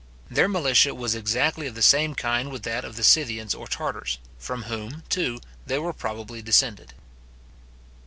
'Their militia was exactly of the same kind with that of the Scythians or Tartars, from whom, too, they were probably descended.